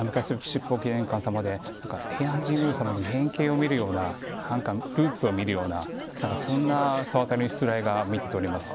七宝記念館様で平安神宮様の原形を見るようなルーツを見るようなそんな沢渡のしつらえが見て取れます。